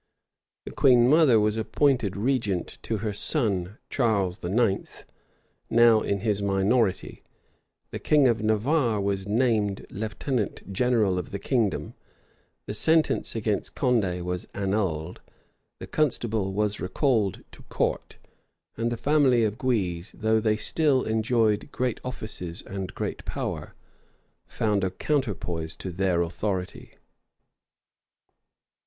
The queen mother was appointed regent to her son Charles IX., now in his minority: the king of Navarre was named lieutenant general of the kingdom: the sentence against Condé was annulled: the constable was recalled to court: and the family of Guise, though they still enjoyed great offices and great power, found a counterpoise to their authority.